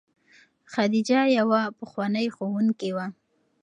خدیجه یوه پخوانۍ ښوونکې وه.